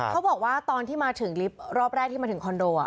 เขาบอกว่าตอนที่มาถึงลิฟต์รอบแรกที่มาถึงคอนโด